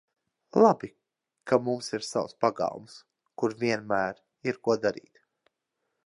Labi, ka mums ir savs pagalms, kur vienmēr ir, ko darīt!